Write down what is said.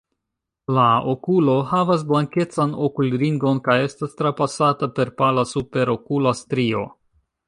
La okulo havas blankecan okulringon kaj estas trapasata per pala superokula strio.